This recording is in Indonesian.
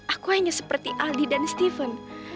aku hanya seperti aldi dan stephen